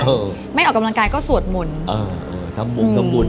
ไม่เดี๋ยวออกกำลังกายก็สวดหมน